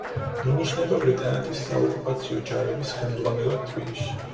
ინიშნება ბრიტანეთის საოკუპაციო ჯარების ხელმძღვანელად თბილისში.